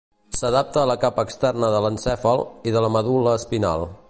S'adapta a la capa externa de l'encèfal i de la medul·la espinal.